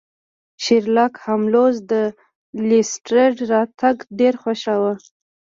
شیرلاک هولمز د لیسټرډ راتګ ډیر خوښاوه.